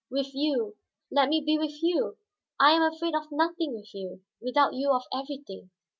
"With you, let me be with you. I am afraid of nothing with you, without you of everything.